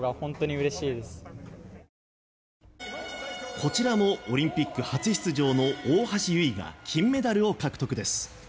こちらもオリンピック初出場の大橋悠依が金メダルを獲得です。